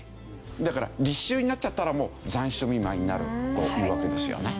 だから立秋になっちゃったらもう残暑見舞いになるというわけですよね。